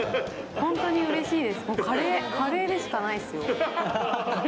本当にうれしいです、カレーでしかないですよ。